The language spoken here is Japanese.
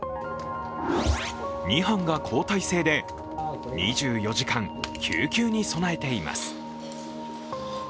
２班が交代制で、２４時間救急に備えています。